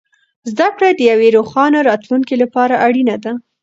زده کړه د یوې روښانه راتلونکې لپاره اړینه ده.